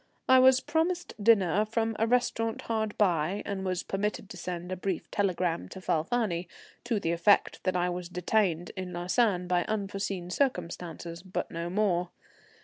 I was promised dinner from a restaurant hard by, and was permitted to send a brief telegram to Falfani, to the effect that I was detained at Lausanne by unforeseen circumstances, but no more.